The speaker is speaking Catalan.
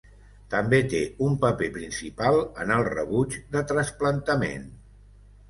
També té un paper principal en el rebuig de trasplantament.